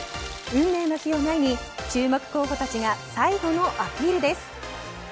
運命の日を前に、注目候補たちが最後のアピールです。